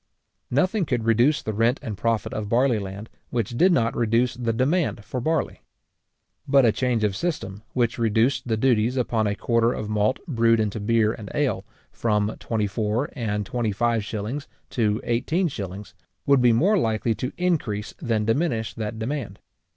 Nothing could reduce the rent and profit of barley land, which did not reduce the demand for barley. But a change of system, which reduced the duties upon a quarter of malt brewed into beer and ale, from twentyfour and twenty five shillings to eighteen shillings, would be more likely to increase than diminish that demand.